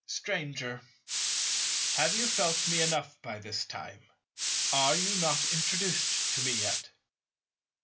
Stranger. Have you felt me enough by this time? Are you not introduced to me yet?